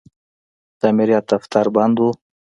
د امریت دفتر بند و.